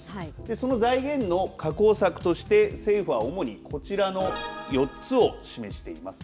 その財源の確保策として政府は主に、こちらの４つを示しています。